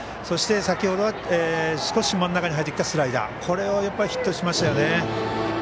そして少し真ん中に入ったスライダーこれをヒットしましたね。